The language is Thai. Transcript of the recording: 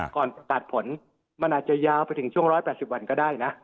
ตัดผลมันอาจจะยาวไปถึงช่วง๑๘๐วันก็ได้นะ